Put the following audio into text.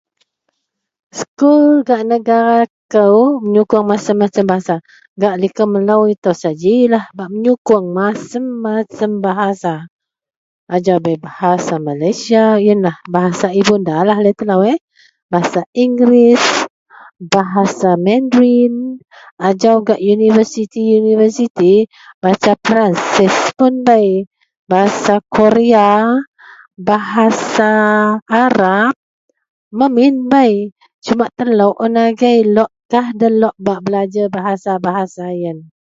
sekul gak negara kou meyukung macam-macam Bahasa gak liko melou itou sajilah meyukung macam-macam Bahasa ajau bei Bahasa Malaysia , ienlah Bahasa ibunda laie telou yeh, Bahasa inggeris, bahasa mandarin ajau gak university-university Bahasa perancis pun bei, Bahasa korea, Bahasa arab memin bei cumak telou un agei lokkah dalok bak belajer Bahasa-bahasa ien.